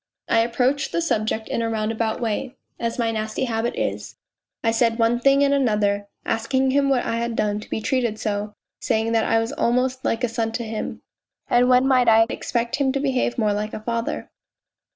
I approached POLZUNKOV 215 the subject in a roundabout way, as my nasty habit is ; I said one thing and another, asking him what I had done to be treated so, saying that I was almost like a son to him, and when might I expect him to behave more like a father.